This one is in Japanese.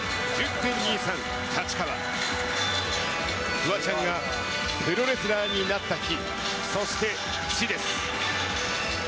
フワちゃんがプロレスラーになった日、そして地です。